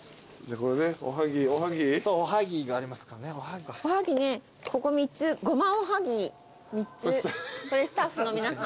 これスタッフの皆さんで。